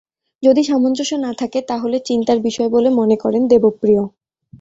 যদি সামঞ্জস্য না থাকে, তাহলে চিন্তার বিষয় বলে মনে করেন দেবপ্রিয়।